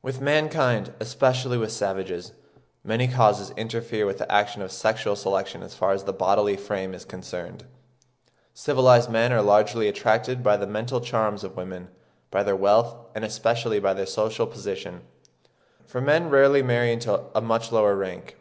With mankind, especially with savages, many causes interfere with the action of sexual selection as far as the bodily frame is concerned. Civilised men are largely attracted by the mental charms of women, by their wealth, and especially by their social position; for men rarely marry into a much lower rank.